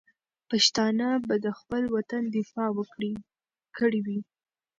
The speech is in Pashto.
پښتانه به د خپل وطن دفاع کړې وي.